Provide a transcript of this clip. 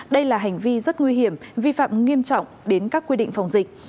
đây là hành vi rất nguy hiểm vi phạm nghiêm trọng đến các quy định phòng dịch